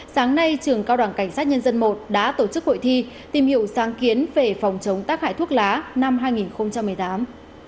sáng nay trường cao đoàn cảnh sát nhân dân i đã tổ chức hội thi tìm hiểu sáng kiến về phòng chống tác hại thuốc lá năm hai nghìn một mươi tám